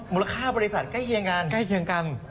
มูลค่าปริศัทธิ์ใกล้เคียงกัน